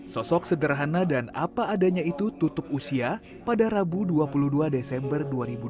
sosok sederhana dan apa adanya itu tutup usia pada rabu dua puluh dua desember dua ribu dua puluh satu